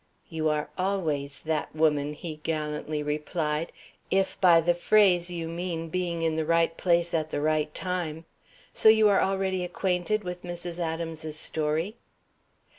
"You are always that woman," he gallantly replied, "if by the phrase you mean being in the right place at the right time. So you are already acquainted with Mrs. Adams's story?"